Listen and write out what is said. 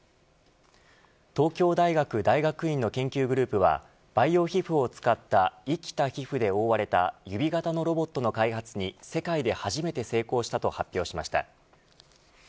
東京大学大学院の研究グループは培養皮膚を使った生きた皮膚で覆われた指型のロボットの開発に世界で初めて成功したと発表しました。